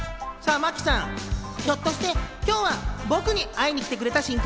真木さん、ひょっとして今日は僕に会いに来てくれたしんか？